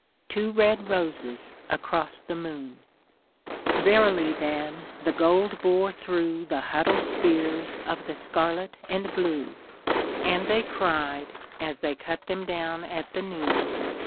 Two red roses across the moon ! Verily then the gold bore through The huddled spears of the scarlet and blue ; And they cried, as they cut them down at the noon.